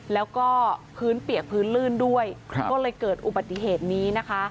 แล้วก็พื้นเปียกพื้นลื่นด้วยก็เลยเกิดอุบัติเหตุนี้นะคะ